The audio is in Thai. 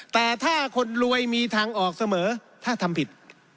แต่ถ้าคนรวยมีทางออกเสมอถ้าทำผิด